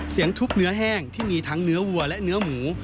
ทุบเนื้อแห้งที่มีทั้งเนื้อวัวและเนื้อหมู